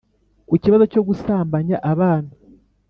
ku kibazo cyo gusambanya abana